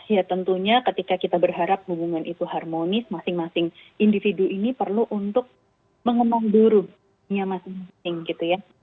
ya tentunya ketika kita berharap hubungan itu harmonis masing masing individu ini perlu untuk mengemang gurunya masing masing gitu ya